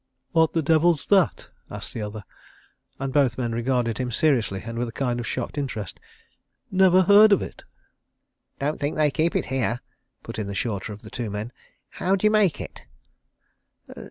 "What the devil's that?" asked the other, and both men regarded him seriously and with a kind of shocked interest. "Never heard of it." "Don't think they keep it here," put in the shorter of the two men. "How d'you make it?"